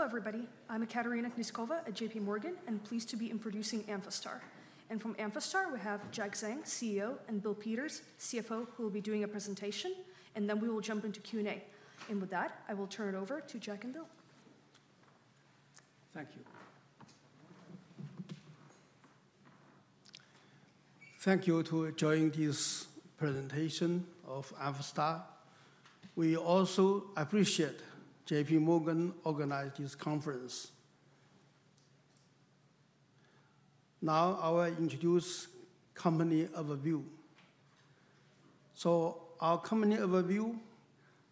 Hello, everybody. I'm Ekaterina Knyazkova at J.P. Morgan, and pleased to be introducing Amphastar, and from Amphastar, we have Jack Zhang, CEO, and Bill Peters, CFO, who will be doing a presentation, and then we will jump into Q&A, and with that, I will turn it over to Jack and Bill. Thank you. Thank you for joining this presentation of Amphastar. We also appreciate J.P. Morgan organizing this conference. Now, I will introduce Company Overview. Our Company Overview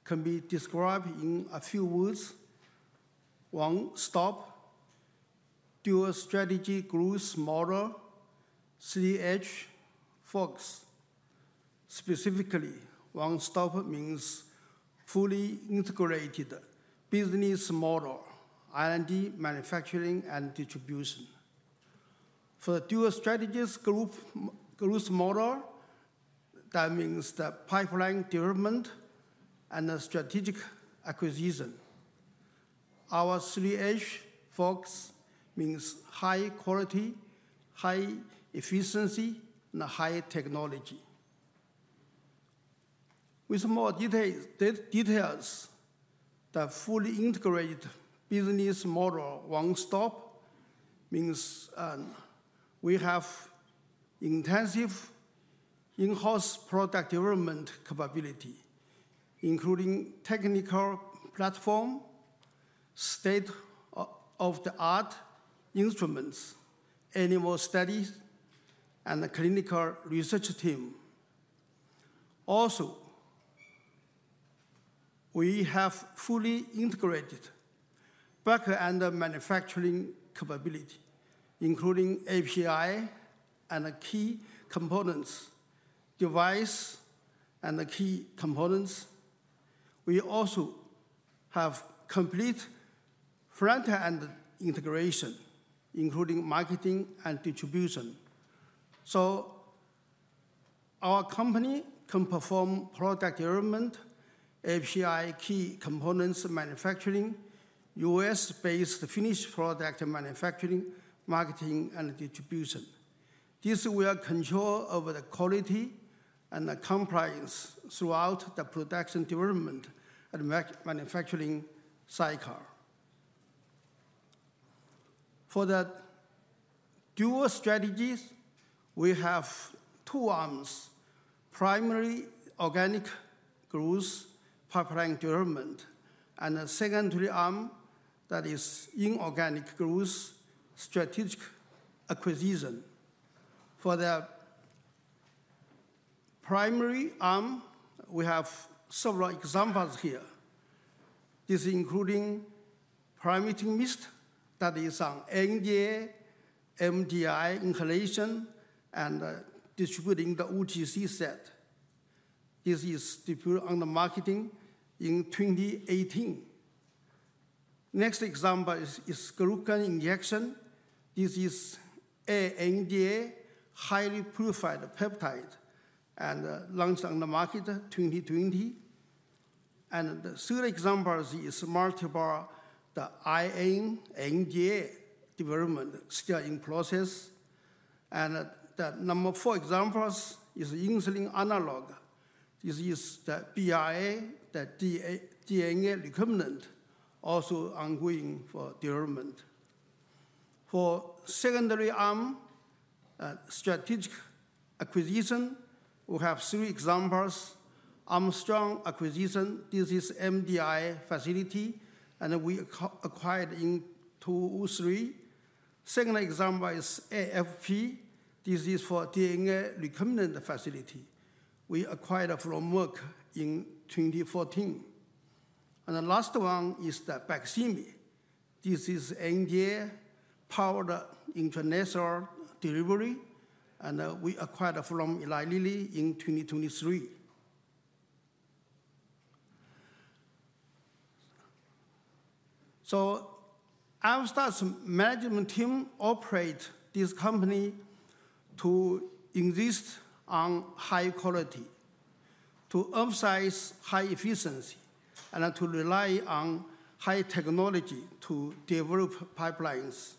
can be described in a few words: One-Stop, Dual Strategy Growth Model, Three-H Focus. Specifically, One Stop means fully integrated business model, R&D, manufacturing, and distribution. For the Dual Strategy Growth Model, that means the pipeline development and the strategic acquisition. Our Three-H Focus, means high quality, high efficiency, and high technology. With more details, the fully integrated business model, One-Stop, means we have intensive in-house product development capability, including technical platform, state-of-the-art instruments, animal studies, and a clinical research team. Also, we have fully integrated back-end manufacturing capability, including API and key components, device and key components. We also have complete front-end integration, including marketing and distribution. Our company can perform product development, API, key components manufacturing, U.S. based finished product manufacturing, marketing, and distribution. This will control over the quality and the compliance throughout the production development and manufacturing cycle. For the dual strategies, we have two arms: primary organic growth pipeline development and a secondary arm that is inorganic growth strategic acquisition. For the primary arm, we have several examples here. This is including Primatene MIST that is an NDA, MDI inhalation, and distributing the OTC asset. This is deployed under marketing in 2018. Next example is glucagon injection. This is an NDA, highly purified peptide, and launched on the market in 2020. The third example is multiple ANDA, NDA development still in process. The number four example is insulin analog. This is the BLA, the recombinant DNA, also ongoing for development. For secondary arm, strategic acquisition, we have three examples: Armstrong acquisition. This is MDI facility, and we acquired in 2002, 2003. Second example is AFP. This is for recombinant DNA facility. We acquired from Merck in 2014. And the last one is the Baqsimi. This is NDA-approved intranasal delivery, and we acquired from Eli Lilly in 2023. So Amphastar's management team operates this company to insist on high quality, to emphasize high efficiency, and to rely on high technology to develop pipelines.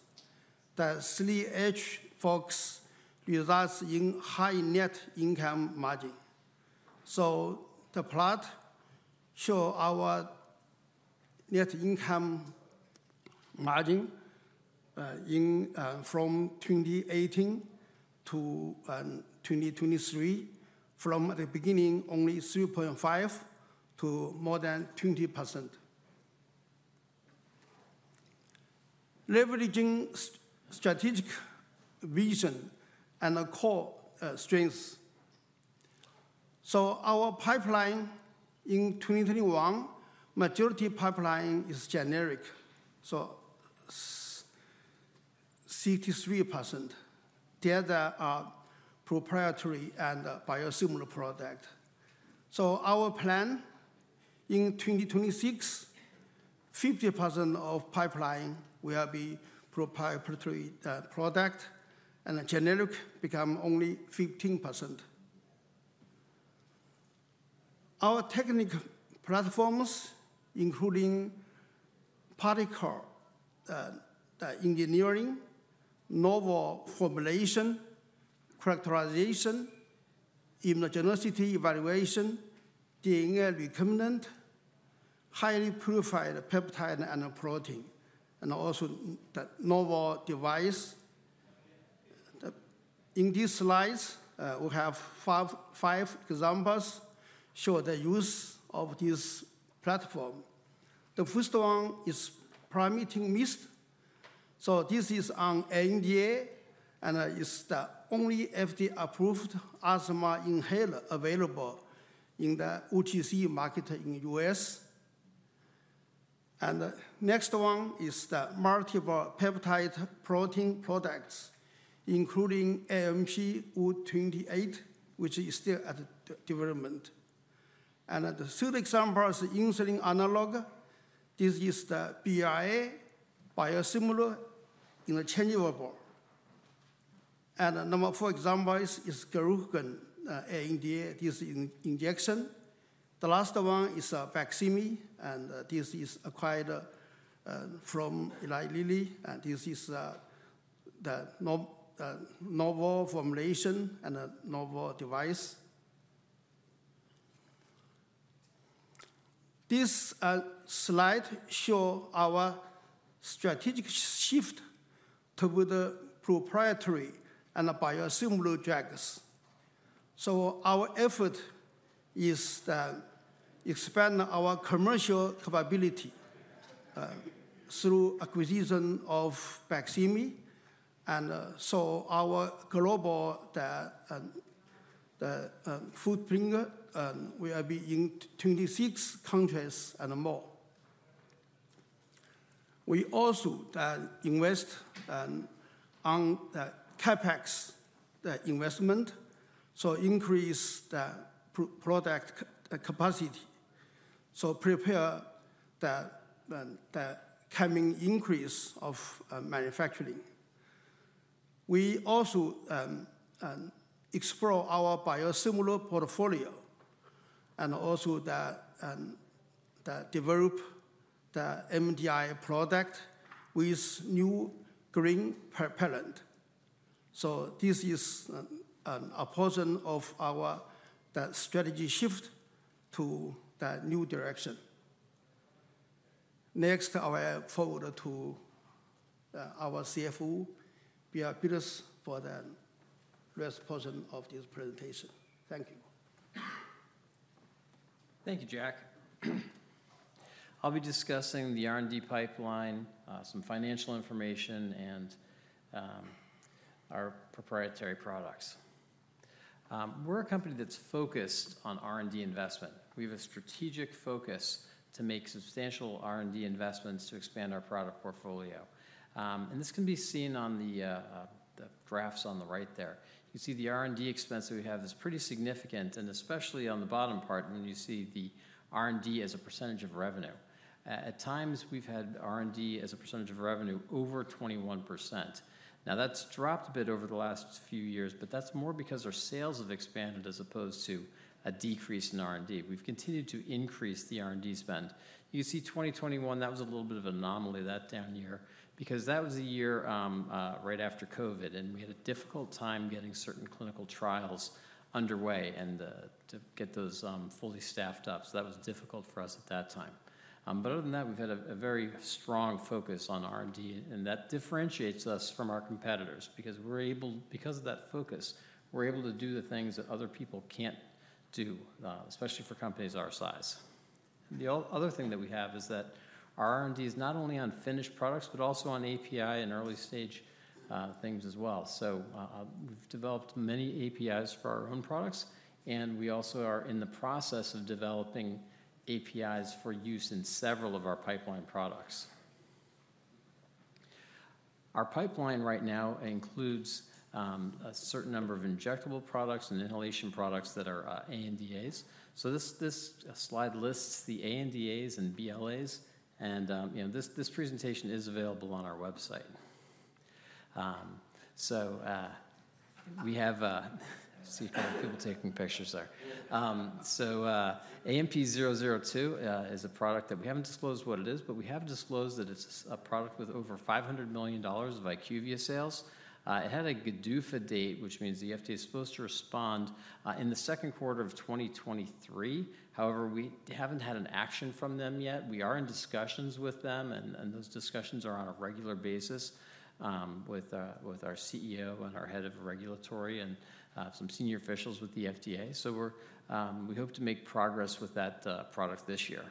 This focus results in high net income margin. So the plot shows our net income margin from 2018 to 2023. From the beginning, only 3.5% to more than 20%. Leveraging strategic vision and core strengths. So our pipeline in 2021, majority pipeline is generic. So 63%. The other are proprietary and biosimilar product. So our plan in 2026, 50% of pipeline will be proprietary product, and generic becomes only 15%. Our technical platforms, including particle engineering, novel formulation, characterization, immunogenicity evaluation, DNA recombinant, highly purified peptide and protein, and also the novel device. In these slides, we have five examples showing the use of this platform. The first one is Primatene MIST. So this is an NDA, and it's the only FDA-approved asthma inhaler available in the OTC market in the U.S. And the next one is the multiple peptide protein products, including AMP-028, which is still at development. And the third example is insulin analog. This is the BLA, biosimilar, interchangeable. And the number four example is glucagon NDA, this is injection. The last one is Baqsimi, and this is acquired from Eli Lilly. And this is the novel formulation and the novel device. This slide shows our strategic shift toward proprietary and biosimilar drugs. So our effort is to expand our commercial capability through acquisition of Baqsimi. And so our global footprint will be in 26 countries and more. We also invest on CapEx investment, so increase the product capacity, so prepare the coming increase of manufacturing. We also explore our biosimilar portfolio and also develop the MDI product with new green propellant. So this is a portion of our strategy shift to the new direction. Next, I will forward to our CFO. We are pleased for the rest portion of this presentation. Thank you. Thank you, Jack. I'll be discussing the R&D pipeline, some financial information, and our proprietary products. We're a company that's focused on R&D investment. We have a strategic focus to make substantial R&D investments to expand our product portfolio, and this can be seen on the graphs on the right there. You can see the R&D expense that we have is pretty significant, and especially on the bottom part when you see the R&D as a percentage of revenue. At times, we've had R&D as a percentage of revenue over 21%. Now, that's dropped a bit over the last few years, but that's more because our sales have expanded as opposed to a decrease in R&D. We've continued to increase the R&D spend. You can see 2021, that was a little bit of an anomaly that down year because that was the year right after COVID, and we had a difficult time getting certain clinical trials underway and to get those fully staffed up. So that was difficult for us at that time. But other than that, we've had a very strong focus on R&D, and that differentiates us from our competitors because we're able, because of that focus, we're able to do the things that other people can't do, especially for companies our size. The other thing that we have is that our R&D is not only on finished products, but also on API and early stage things as well. So we've developed many APIs for our own products, and we also are in the process of developing APIs for use in several of our pipeline products. Our pipeline right now includes a certain number of injectable products and inhalation products that are ANDAs. So this slide lists the ANDAs and BLAs, and this presentation is available on our website. So we have a few people taking pictures there. So AMP-002 is a product that we haven't disclosed what it is, but we have disclosed that it's a product with over $500 million of IQVIA sales. It had a GDUFA date, which means the FDA is supposed to respond in the second quarter of 2023. However, we haven't had an action from them yet. We are in discussions with them, and those discussions are on a regular basis with our CEO and our head of regulatory and some senior officials with the FDA. So we hope to make progress with that product this year.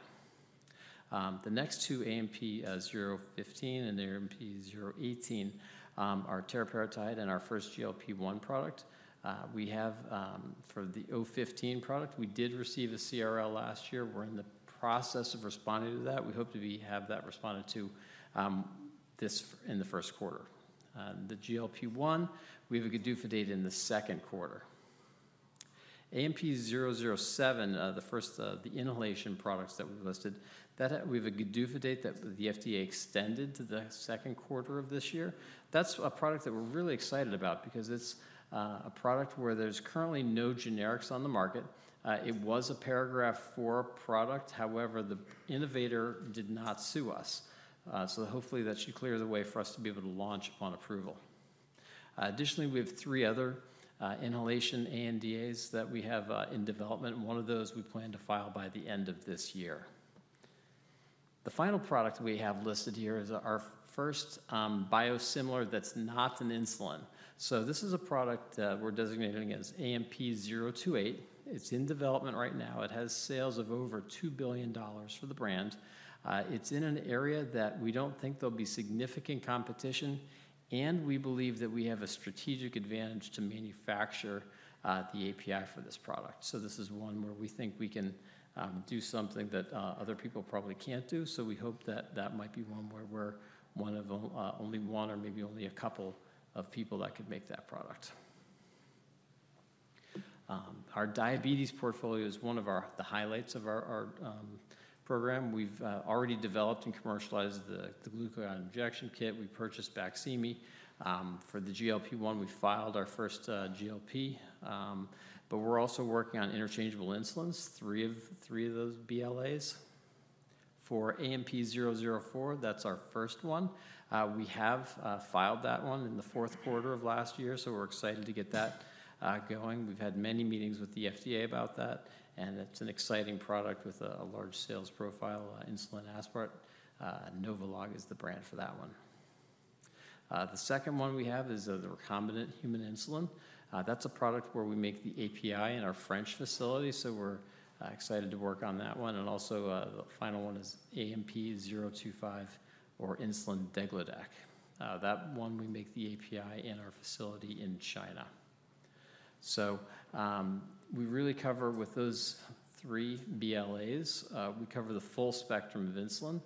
The next two AMP-015 and AMP-018 are teriparatide and our first GLP-1 product. We have for the AMP-015 product, we did receive a CRL last year. We're in the process of responding to that. We hope to have that responded to this in the first quarter. The GLP-1, we have a GDUFA date in the second quarter. AMP-007, the first, the inhalation products that we've listed, that we have a GDUFA date that the FDA extended to the second quarter of this year. That's a product that we're really excited about because it's a product where there's currently no generics on the market. It was a Paragraph IV product. However, the innovator did not sue us. So hopefully that should clear the way for us to be able to launch upon approval. Additionally, we have three other inhalation ANDAs that we have in development. One of those we plan to file by the end of this year. The final product we have listed here is our first biosimilar that's not an insulin. So this is a product we're designating as AMP-028. It's in development right now. It has sales of over $2 billion for the brand. It's in an area that we don't think there'll be significant competition, and we believe that we have a strategic advantage to manufacture the API for this product. So this is one where we think we can do something that other people probably can't do. So we hope that that might be one where we're one of only one or maybe only a couple of people that could make that product. Our diabetes portfolio is one of the highlights of our program. We've already developed and commercialized the glucagon injection kit. We purchased Baqsimi. For the GLP-1, we filed our first GLP. But we're also working on interchangeable insulins, three of those BLAs. For AMP-004, that's our first one. We have filed that one in the fourth quarter of last year. So we're excited to get that going. We've had many meetings with the FDA about that, and it's an exciting product with a large sales profile, insulin aspart. NovoLog is the brand for that one. The second one we have is the recombinant human insulin. That's a product where we make the API in our French facility. So we're excited to work on that one. And also the final one is AMP-025 or insulin degludec. That one we make the API in our facility in China. So we really cover with those three BLAs. We cover the full spectrum of insulin,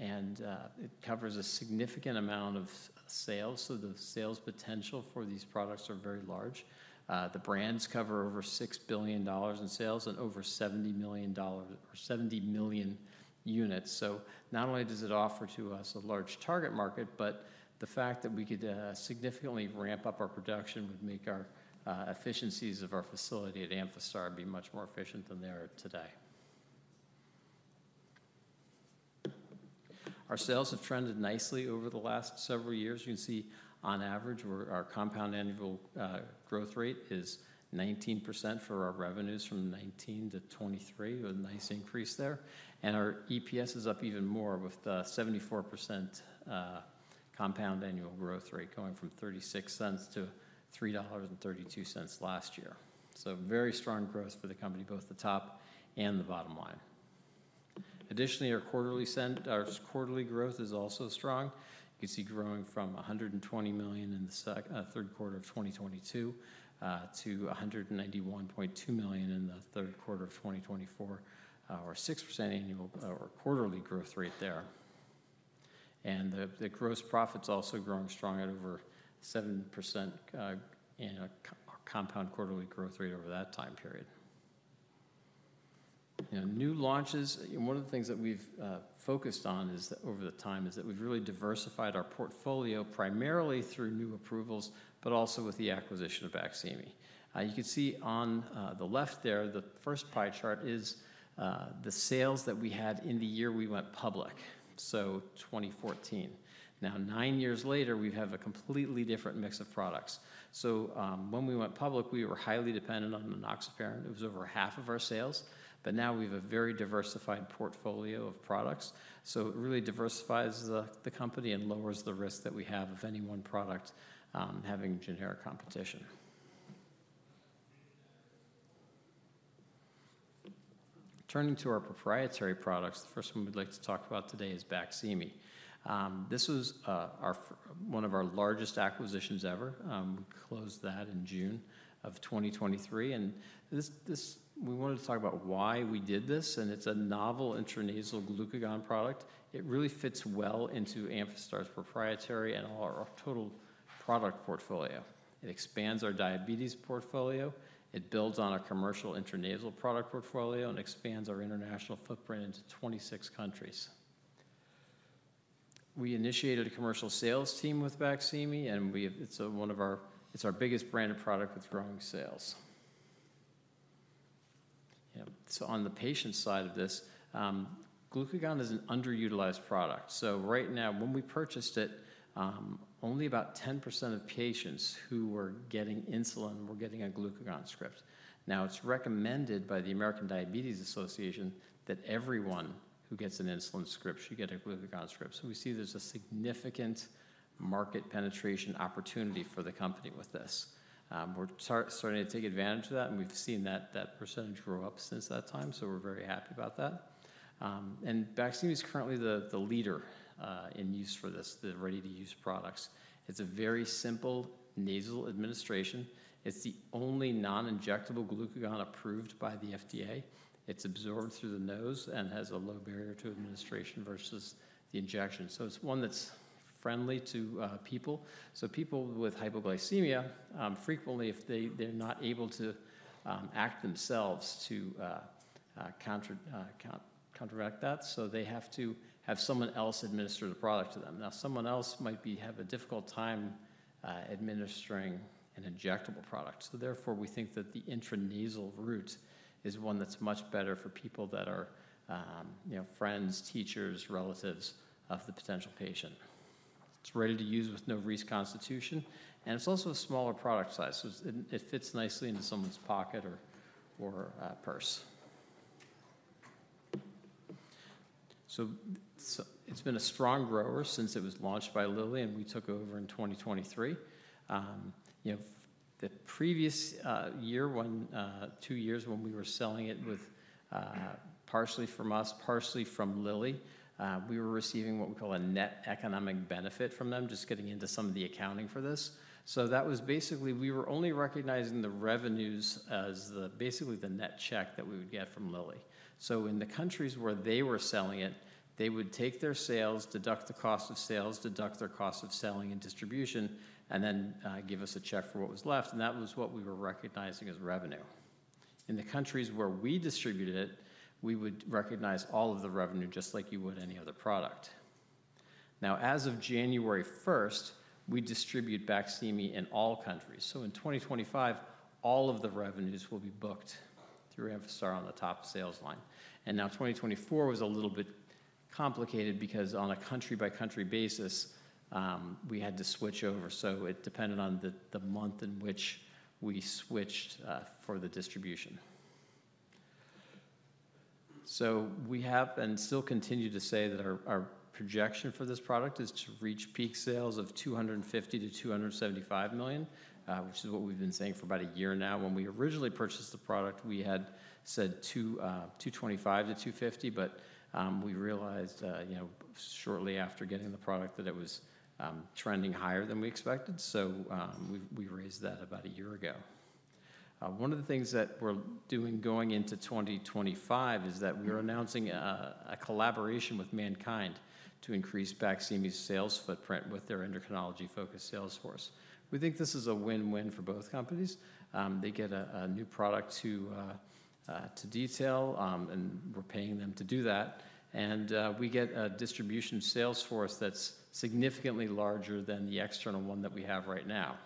and it covers a significant amount of sales. So the sales potential for these products are very large. The brands cover over $6 billion in sales and over $70 million or 70 million units. So not only does it offer to us a large target market, but the fact that we could significantly ramp up our production would make our efficiencies of our facility at Amphastar be much more efficient than they are today. Our sales have trended nicely over the last several years. You can see on average our compound annual growth rate is 19% for our revenues from 2019-2023, a nice increase there, and our EPS is up even more with 74% compound annual growth rate going from $0.36-$3.32 last year, so very strong growth for the company, both the top and the bottom line. Additionally, our quarterly growth is also strong. You can see growing from $120 million in the third quarter of 2022 to $191.2 million in the third quarter of 2024, or 6% annual or quarterly growth rate there, and the gross profits also growing strong at over 7% in a compound quarterly growth rate over that time period. New launches, one of the things that we've focused on over the time is that we've really diversified our portfolio primarily through new approvals, but also with the acquisition of Baqsimi. You can see on the left there, the first pie chart is the sales that we had in the year we went public, so 2014. Now, nine years later, we have a completely different mix of products. When we went public, we were highly dependent on the enoxaparin. It was over half of our sales. Now we have a very diversified portfolio of products. It really diversifies the company and lowers the risk that we have of any one product having generic competition. Turning to our proprietary products, the first one we'd like to talk about today is Baqsimi. This was one of our largest acquisitions ever. We closed that in June of 2023. We wanted to talk about why we did this. It's a novel intranasal glucagon product. It really fits well into Amphastar's proprietary and our total product portfolio. It expands our diabetes portfolio. It builds on our commercial intranasal product portfolio and expands our international footprint into 26 countries. We initiated a commercial sales team with Baqsimi, and it's one of our biggest branded products with growing sales. On the patient side of this, glucagon is an underutilized product. Right now, when we purchased it, only about 10% of patients who were getting insulin were getting a glucagon script. Now, it's recommended by the American Diabetes Association that everyone who gets an insulin script should get a glucagon script. So we see there's a significant market penetration opportunity for the company with this. We're starting to take advantage of that, and we've seen that percentage grow up since that time. So we're very happy about that. And Baqsimi is currently the leader in use for this, the ready-to-use products. It's a very simple nasal administration. It's the only non-injectable glucagon approved by the FDA. It's absorbed through the nose and has a low barrier to administration versus the injection. So it's one that's friendly to people. People with hypoglycemia frequently, if they're not able to act themselves to counteract that, so they have to have someone else administer the product to them. Now, someone else might have a difficult time administering an injectable product. So therefore, we think that the intranasal route is one that's much better for people that are friends, teachers, relatives of the potential patient. It's ready to use with no reconstitution, and it's also a smaller product size. So it fits nicely into someone's pocket or purse. So it's been a strong grower since it was launched by Lilly, and we took over in 2023. The previous year, two years when we were selling it partially from us, partially from Lilly, we were receiving what we call a net economic benefit from them, just getting into some of the accounting for this. That was basically we were only recognizing the revenues as basically the net check that we would get from Lilly. So in the countries where they were selling it, they would take their sales, deduct the cost of sales, deduct their cost of selling and distribution, and then give us a check for what was left. And that was what we were recognizing as revenue. In the countries where we distributed it, we would recognize all of the revenue just like you would any other product. Now, as of January 1st, we distribute Baqsimi in all countries. So in 2025, all of the revenues will be booked through Amphastar on the top sales line. And now 2024 was a little bit complicated because on a country-by-country basis, we had to switch over. So it depended on the month in which we switched for the distribution. So we have and still continue to say that our projection for this product is to reach peak sales of $250 million-$275 million, which is what we've been saying for about a year now. When we originally purchased the product, we had said $225-$250, but we realized shortly after getting the product that it was trending higher than we expected. So we raised that about a year ago. One of the things that we're doing going into 2025 is that we are announcing a collaboration with MannKind to increase Baqsimi's sales footprint with their endocrinology-focused sales force. We think this is a win-win for both companies. They get a new product to detail, and we're paying them to do that. And we get a distribution sales force that's significantly larger than the external one that we have right now.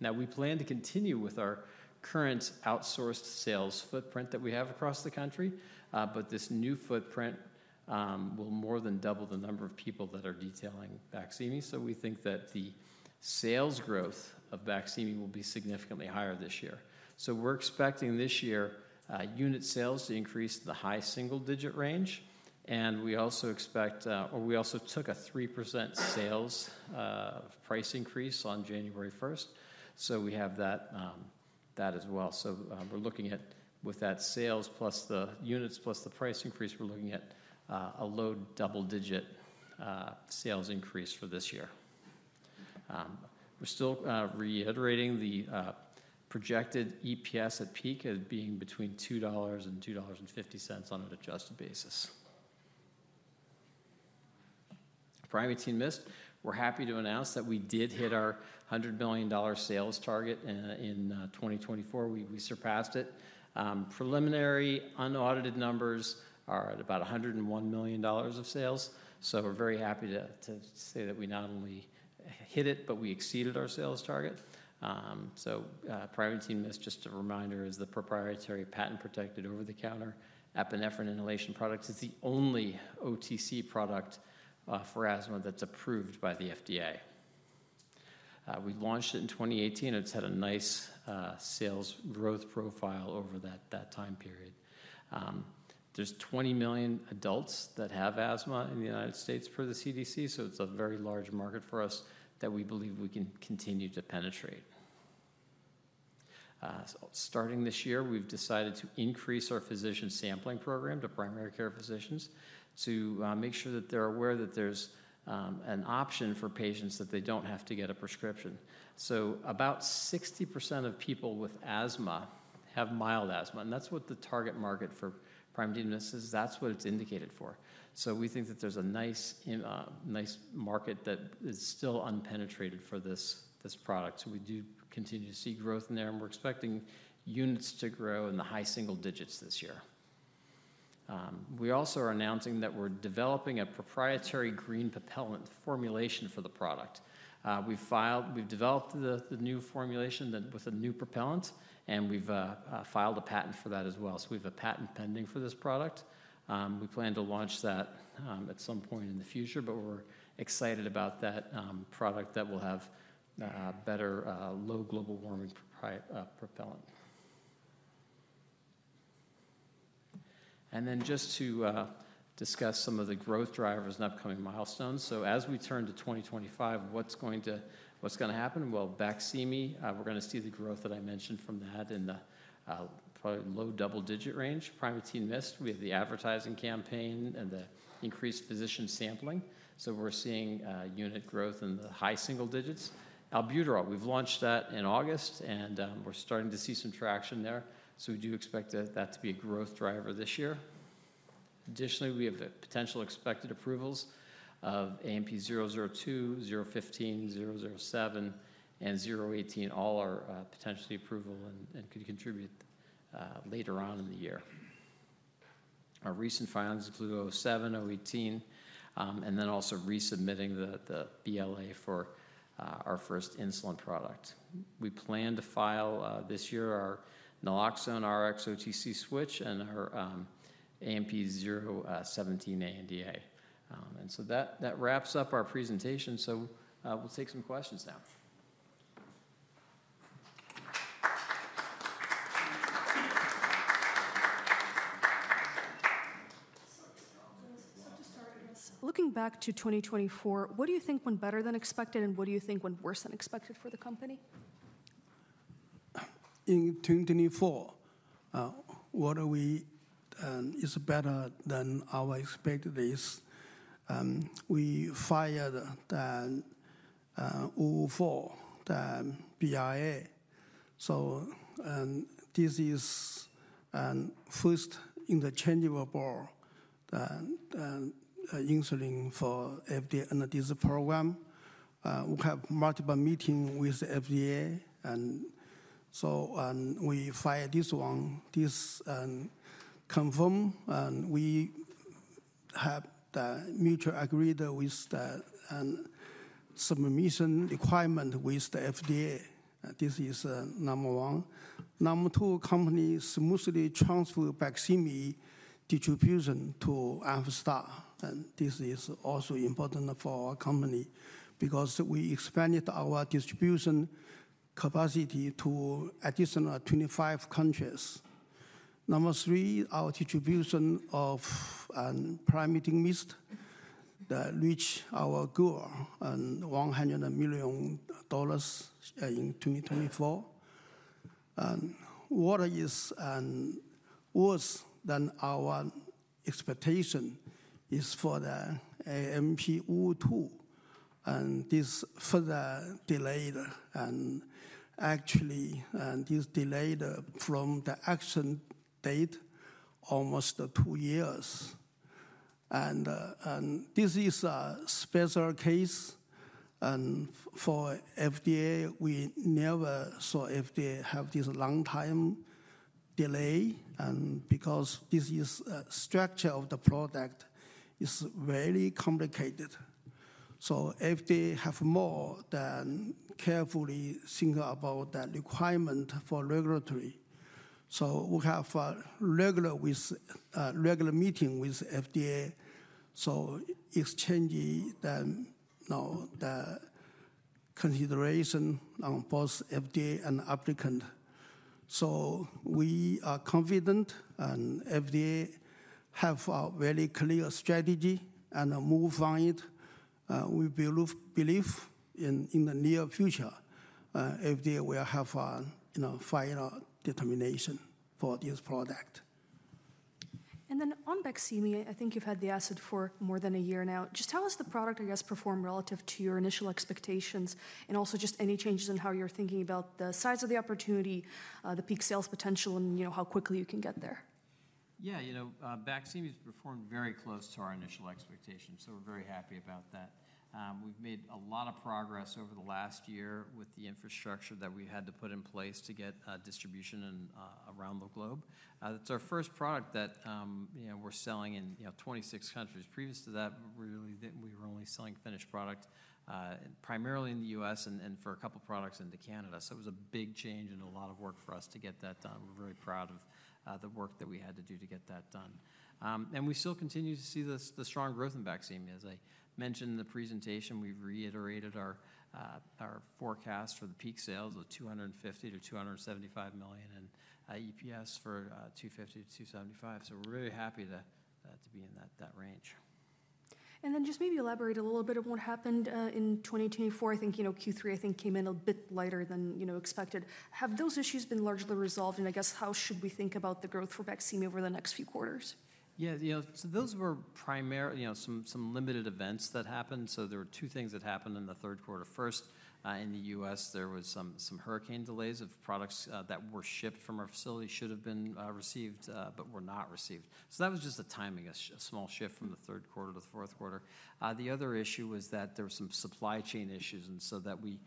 Now, we plan to continue with our current outsourced sales footprint that we have across the country, but this new footprint will more than double the number of people that are detailing Baqsimi, so we think that the sales growth of Baqsimi will be significantly higher this year, so we're expecting this year unit sales to increase to the high single-digit range, and we also expect, or we also took a 3% sales price increase on January 1st, so we have that as well, so we're looking at, with that sales plus the units plus the price increase, we're looking at a low double-digit sales increase for this year. We're still reiterating the projected EPS at peak as being between $2 and $2.50 on an adjusted basis. Primatene MIST. We're happy to announce that we did hit our $100 million sales target in 2024. We surpassed it. Preliminary unaudited numbers are at about $101 million of sales. So we're very happy to say that we not only hit it, but we exceeded our sales target. So Primatene MIST, just a reminder, is the proprietary patent-protected over-the-counter epinephrine inhalation product. It's the only OTC product for asthma that's approved by the FDA. We launched it in 2018, and it's had a nice sales growth profile over that time period. There's 20 million adults that have asthma in the United States per the CDC. So it's a very large market for us that we believe we can continue to penetrate. Starting this year, we've decided to increase our physician sampling program to primary care physicians to make sure that they're aware that there's an option for patients that they don't have to get a prescription. So about 60% of people with asthma have mild asthma. That's what the target market for Primatene MIST is. That's what it's indicated for. We think that there's a nice market that is still unpenetrated for this product. We do continue to see growth in there, and we're expecting units to grow in the high single digits this year. We also are announcing that we're developing a proprietary green propellant formulation for the product. We've developed the new formulation with a new propellant, and we've filed a patent for that as well. We have a patent pending for this product. We plan to launch that at some point in the future, but we're excited about that product that will have better low global warming propellant. Just to discuss some of the growth drivers and upcoming milestones. As we turn to 2025, what's going to happen? Well, Baqsimi, we're going to see the growth that I mentioned from that in the probably low double-digit range. Primatene MIST, we have the advertising campaign and the increased physician sampling. So we're seeing unit growth in the high single digits. Albuterol, we've launched that in August, and we're starting to see some traction there. So we do expect that to be a growth driver this year. Additionally, we have potential expected approvals of AMP-002, AMP-015, AMP-007, and AMP-018, all are potentially approvable and could contribute later on in the year. Our recent filings include AMP-007, AMP-018, and then also resubmitting the BLA for our first insulin product. We plan to file this year our naloxone Rx-to-OTC switch and our AMP-017 ANDA. That wraps up our presentation. We'll take some questions now. Looking back to 2024, what do you think went better than expected, and what do you think went worse than expected for the company? In 2024, what went better than our expectations is we filed the AMP-004 BLA. So this is first interchangeable biosimilar insulin for the FDA under this program. We have multiple meetings with the FDA. And so we filed this one, this confirmed. We have the mutually agreed upon submission requirements with the FDA. This is number one. Number two, the company smoothly transferred Baqsimi distribution to Amphastar. And this is also important for our company because we expanded our distribution capacity to additional 25 countries. Number three, our distribution of Primatene MIST reached our goal of $100 million in 2024. What went worse than our expectations is for the AMP-002. And this further delayed, and actually, this delayed from the action date almost two years. And this is a special case. And for the FDA, we never saw the FDA have this long time delay because the structure of the product is very complicated. So the FDA have more than carefully think about the requirement for regulatory. So we have regular meeting with the FDA. So exchange the consideration on both the FDA and applicant. So we are confident the FDA have a very clear strategy and move on it. We believe in the near future, the FDA will have a final determination for this product. And then on Baqsimi, I think you've had the asset for more than a year now. Just tell us the product, I guess, perform relative to your initial expectations and also just any changes in how you're thinking about the size of the opportunity, the peak sales potential, and how quickly you can get there? Yeah, Baqsimi has performed very close to our initial expectations, so we're very happy about that. We've made a lot of progress over the last year with the infrastructure that we had to put in place to get distribution around the globe. It's our first product that we're selling in 26 countries. Previous to that, we were only selling finished product primarily in the U.S. and for a couple of products into Canada. So it was a big change and a lot of work for us to get that done. We're very proud of the work that we had to do to get that done. And we still continue to see the strong growth in Baqsimi. As I mentioned in the presentation, we've reiterated our forecast for the peak sales of $250 million-$275 million in the U.S. for $250 million-$275 million. So we're very happy to be in that range. And then just maybe elaborate a little bit on what happened in 2024. I think Q3, I think came in a bit lighter than expected. Have those issues been largely resolved? And I guess, how should we think about the growth for Baqsimi over the next few quarters? Yeah, so those were primarily some limited events that happened. So there were two things that happened in the third quarter. First, in the U.S., there were some hurricane delays of products that were shipped from our facility should have been received but were not received. That was just a timing, a small shift from the third quarter to the fourth quarter. The other issue was that there were some supply chain issues and so that we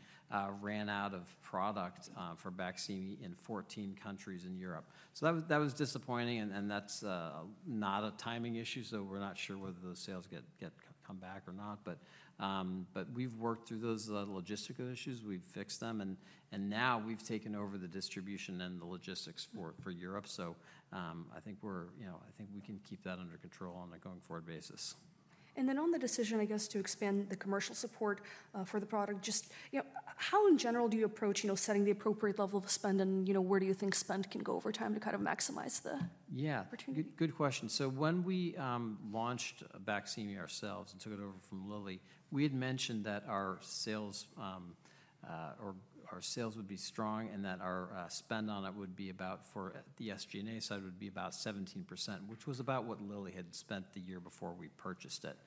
ran out of product for Baqsimi in 14 countries in Europe. That was disappointing, and that's not a timing issue. We're not sure whether those sales come back or not. But we've worked through those logistical issues. We've fixed them. Now we've taken over the distribution and the logistics for Europe. I think we're, I think we can keep that under control on a going forward basis. Then on the decision, I guess, to expand the commercial support for the product, just how in general do you approach setting the appropriate level of spend and where do you think spend can go over time to kind of maximize the opportunity? Yeah, good question. So when we launched Baqsimi ourselves and took it over from Lilly, we had mentioned that our sales would be strong and that our spend on it would be about 17% for the SG&A side, which was about what Lilly had spent the year before we purchased it.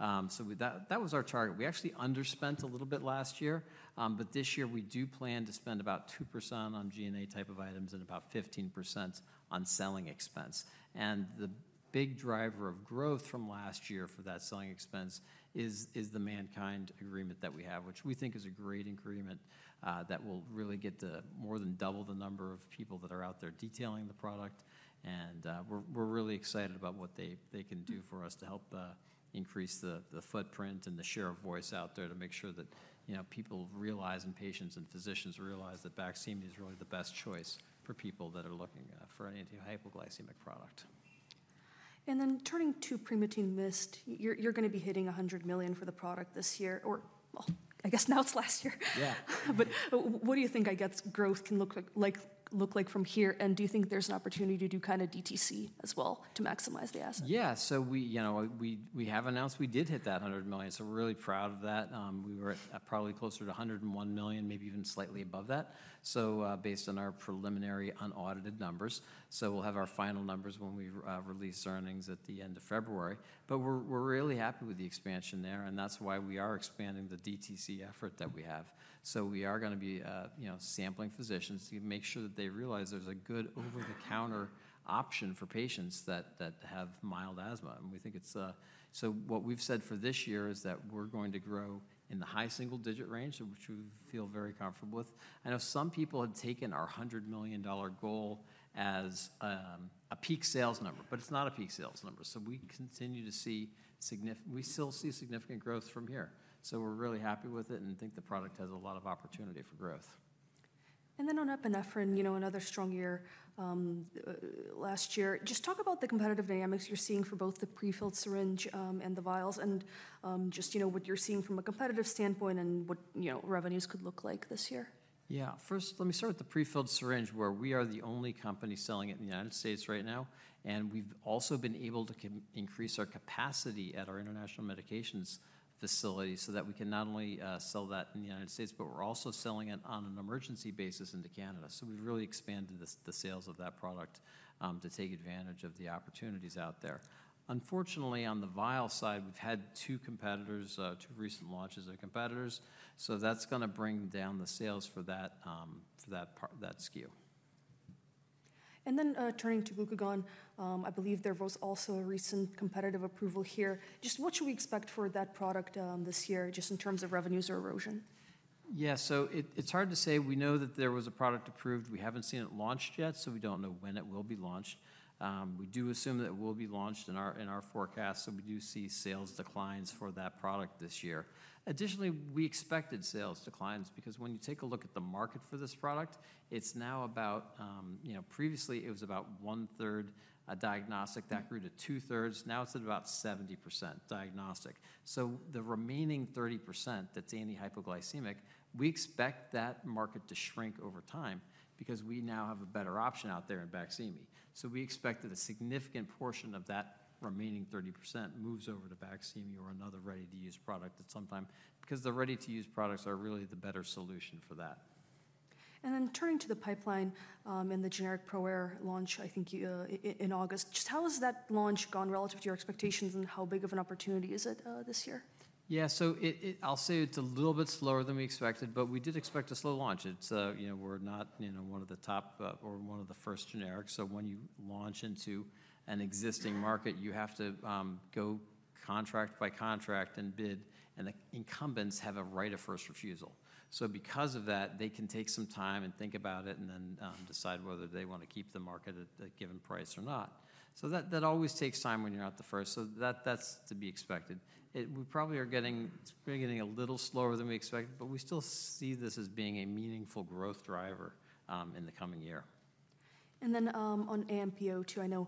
So that was our target. We actually underspent a little bit last year, but this year we do plan to spend about 2% on G&A type of items and about 15% on selling expense. And the big driver of growth from last year for that selling expense is the MannKind agreement that we have, which we think is a great agreement that will really get to more than double the number of people that are out there detailing the product. We're really excited about what they can do for us to help increase the footprint and the share of voice out there to make sure that people realize and patients and physicians realize that Baqsimi is really the best choice for people that are looking for an antihypoglycemic product. Then turning to Primatene MIST, you're going to be hitting $100 million for the product this year, or I guess now it's last year. What do you think growth can look like from here? I guess. Do you think there's an opportunity to do kind of DTC as well to maximize the asset? Yeah, we have announced we did hit that $100 million. We're really proud of that. We were probably closer to $101 million, maybe even slightly above that, so based on our preliminary unaudited numbers. So we'll have our final numbers when we release earnings at the end of February. But we're really happy with the expansion there, and that's why we are expanding the DTC effort that we have. So we are going to be sampling physicians to make sure that they realize there's a good over-the-counter option for patients that have mild asthma. And we think it's so. What we've said for this year is that we're going to grow in the high single-digit range, which we feel very comfortable with. I know some people have taken our $100 million goal as a peak sales number, but it's not a peak sales number. So we continue to see significant. We still see significant growth from here. So we're really happy with it and think the product has a lot of opportunity for growth. And then on epinephrine, another strong year last year. Just talk about the competitive dynamics you're seeing for both the prefilled syringe and the vials and just what you're seeing from a competitive standpoint and what revenues could look like this year? Yeah, first, let me start with the prefilled syringe, where we are the only company selling it in the United States right now, and we've also been able to increase our capacity at our international medications facility so that we can not only sell that in the United States, but we're also selling it on an emergency basis into Canada, so we've really expanded the sales of that product to take advantage of the opportunities out there. Unfortunately, on the vial side, we've had two competitors, two recent launches of competitors, so that's going to bring down the sales for that SKU, and then turning to glucagon, I believe there was also a recent competitive approval here. Just what should we expect for that product this year just in terms of revenues or erosion? Yeah, so it's hard to say. We know that there was a product approved. We haven't seen it launched yet, so we don't know when it will be launched. We do assume that it will be launched in our forecast. So we do see sales declines for that product this year. Additionally, we expected sales declines because when you take a look at the market for this product, it's now about previously it was about one-third diagnostic that grew to two-thirds. Now it's at about 70% diagnostic. So the remaining 30% that's antihypoglycemic, we expect that market to shrink over time because we now have a better option out there in Baqsimi. We expect that a significant portion of that remaining 30% moves over to Baqsimi or another ready-to-use product at some time because the ready-to-use products are really the better solution for that. And then turning to the pipeline and the generic ProAir launch, I think in August, just how has that launch gone relative to your expectations and how big of an opportunity is it this year? Yeah, so I'll say it's a little bit slower than we expected, but we did expect a slow launch. We're not one of the top or one of the first generics. So when you launch into an existing market, you have to go contract by contract and bid, and the incumbents have a right of first refusal. So because of that, they can take some time and think about it and then decide whether they want to keep the market at a given price or not. So that always takes time when you're not the first. So that's to be expected. We probably are getting a little slower than we expected, but we still see this as being a meaningful growth driver in the coming year. And then on AMP-002, I know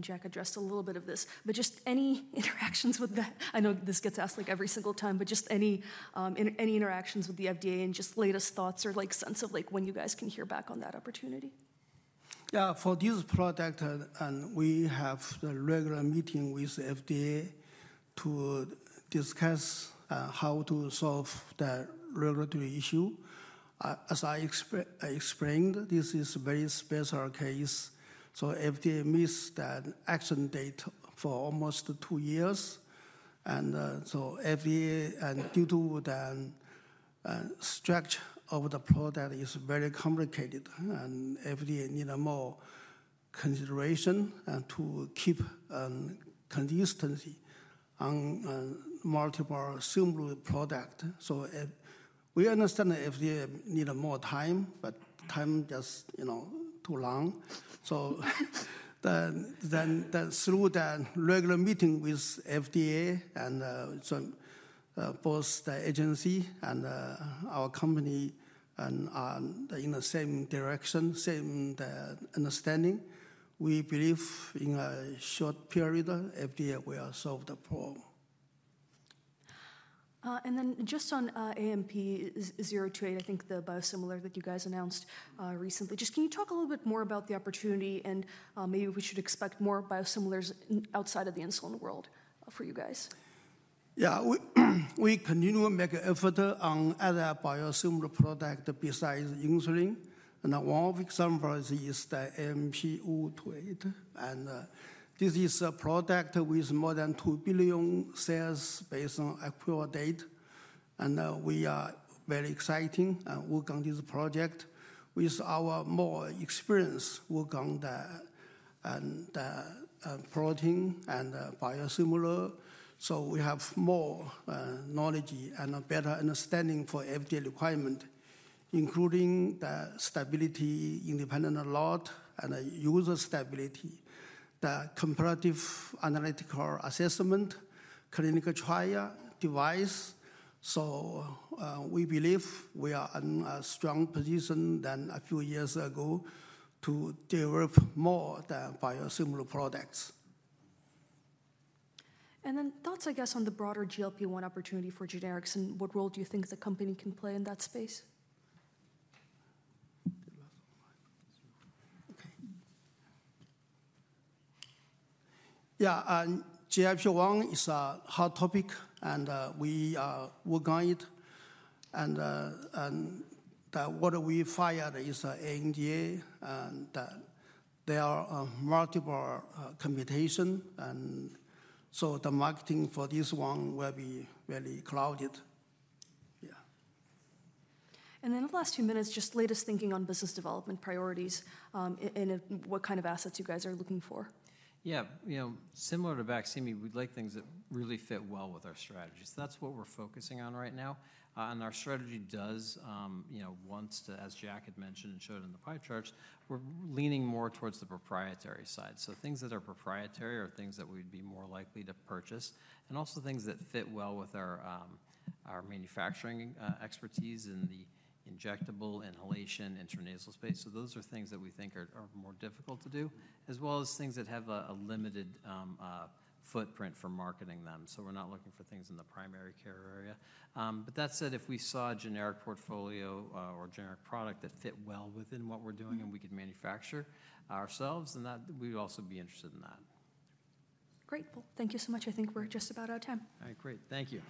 Jack addressed a little bit of this, but just any interactions with the FDA. I know this gets asked like every single time, but just any interactions with the FDA and just latest thoughts or sense of when you guys can hear back on that opportunity? Yeah, for this product, we have the regular meeting with the FDA to discuss how to solve the regulatory issue. As I explained, this is a very special case. FDA missed the action date for almost two years. And so FDA, due to the structure of the product, is very complicated. And FDA needs more consideration to keep consistency on multiple similar products. So we understand that FDA needs more time, but time just too long. So through the regular meeting with FDA, both the agency and our company are in the same direction, same understanding. We believe in a short period, FDA will solve the problem. And then just on AMP-028, I think the biosimilar that you guys announced recently, just can you talk a little bit more about the opportunity and maybe we should expect more biosimilars outside of the insulin world for you guys? Yeah, we continue to make an effort on other biosimilar products besides insulin. And one of the examples is the AMP-028. This is a product with more than $2 billion sales based on actual data. We are very excited and work on this project with our more experience work on the protein and biosimilar. So we have more knowledge and a better understanding for FDA requirement, including the stability, independent alert, and user stability, the comparative analytical assessment, clinical trial, device. So we believe we are in a strong position than a few years ago to develop more than biosimilar products. And then thoughts, I guess, on the broader GLP-1 opportunity for generics and what role do you think the company can play in that space? Okay. Yeah, GLP-1 is a hot topic and we work on it. And what we fired is ANDA and there are multiple competitions. And so the marketing for this one will be very crowded. Yeah. Then in the last few minutes, just latest thinking on business development priorities and what kind of assets you guys are looking for. Yeah, similar to Baqsimi, we'd like things that really fit well with our strategy. That's what we're focusing on right now. Our strategy does, as Jack had mentioned and showed in the pie charts, we're leaning more towards the proprietary side. Things that are proprietary are things that we'd be more likely to purchase and also things that fit well with our manufacturing expertise in the injectable, inhalation, intranasal space. Those are things that we think are more difficult to do, as well as things that have a limited footprint for marketing them. We're not looking for things in the primary care area. But that said, if we saw a generic portfolio or generic product that fit well within what we're doing and we could manufacture ourselves, then we'd also be interested in that. Great. Well, thank you so much. I think we're just about out of time. All right, great. Thank you.